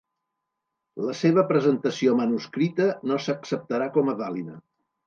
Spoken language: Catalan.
La seva presentació manuscrita no s'acceptarà com a vàlida.